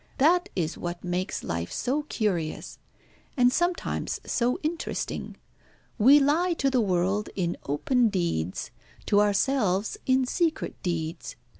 That is what makes life so curious, and sometimes so interesting. We lie to the world in open deeds, to ourselves in secret deeds.